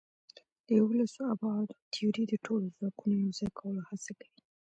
د یوولس ابعادو تیوري د ټولو ځواکونو یوځای کولو هڅه کوي.